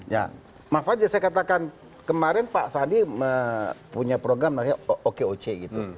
ya maaf aja saya katakan kemarin pak sandi punya program namanya okoc gitu